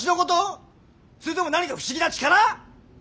それとも何か不思議な力？